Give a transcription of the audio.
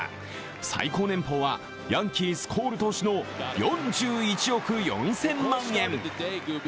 最高年俸はヤンキースコール投手の４１億４０００万円。